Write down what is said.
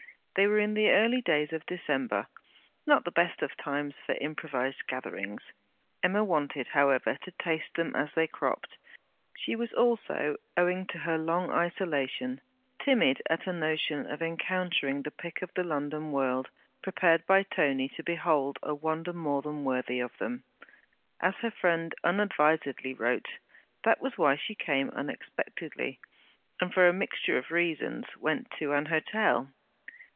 They were in the early days of December, not the best of times for improvized gatherings. Emma wanted, however, to taste them as they cropped; she was also, owing to her long isolation, timid at a notion of encountering the pick of the London world, prepared by Tony to behold 'a wonder more than worthy of them,' as her friend unadvisedly wrote. That was why she came unexpectedly, and for a mixture of reasons, went to an hotel.